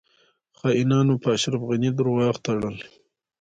خاینانو په اشرف غنی درواغ تړل